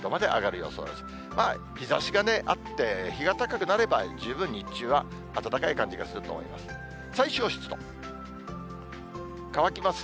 日ざしがあって、日が高くなれば、十分日中は暖かい感じがすると思います。